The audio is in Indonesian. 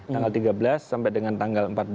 tanggal tiga belas sampai dengan tanggal empat belas